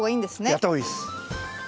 やった方がいいです。